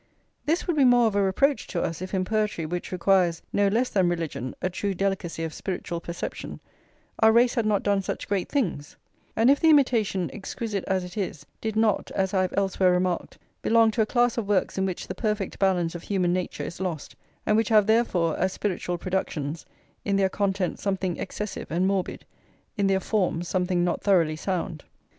This would be more of a reproach to us if in poetry, which requires, no less than religion, a true delicacy of spiritual perception, our race had not done such great things; and if the Imitation, exquisite as it is, did not, as I have elsewhere remarked, belong to a class of works in which the perfect balance of human nature is lost, and which have therefore, as spiritual productions, in their contents something excessive and morbid, in their form something not thoroughly sound.